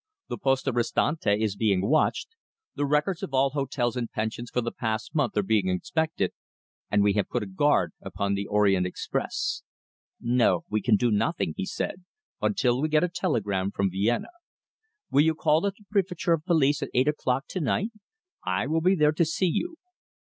The Poste Restante is being watched, the records of all hotels and pensions for the past month are being inspected, and we have put a guard upon the Orient Express. No! We can do nothing," he said, "until we get a telegram from Vienna. Will you call at the Préfecture of Police at eight o'clock to night? I will be there to see you."